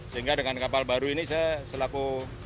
sehingga dengan kapal baru ini saya selaku